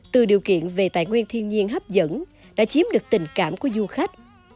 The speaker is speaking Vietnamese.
từ điều kiện về tài nguyên thiên nhiên hấp dẫn đã chiếm được tình cảm của du khách